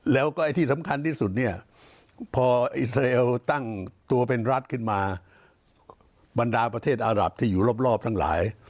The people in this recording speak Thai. แล้วก็ไอ้ที่สำคัญที่สุดเนี่ยพออิสราเอลตั้งตัวเป็นรัฐขึ้นมาบรรดาประเทศอารับที่อยู่รอบทั้งหลาย